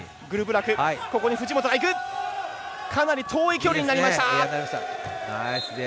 かなり遠い距離になりました。